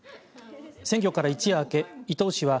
選挙から一夜明け伊藤氏は